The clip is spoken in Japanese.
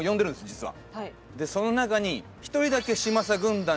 実は。